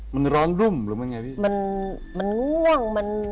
มันร้อนรุ่มหรือมียะพี่มันง่วง